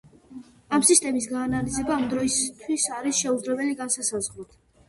ამ სისტემის გაანალიზება ამ დროისთვის არის შეუძლებელი განსასაზღვრად.